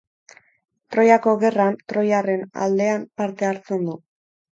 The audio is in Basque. Troiako Gerran, troiarren aldean parte hartzen du.